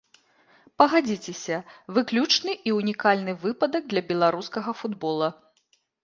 Пагадзіцеся, выключны і ўнікальны выпадак для беларускага футбола.